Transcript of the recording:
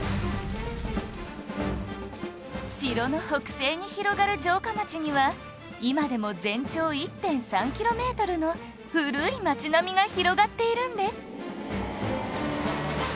城の北西に広がる城下町には今でも全長 １．３ キロメートルの古い町並みが広がっているんです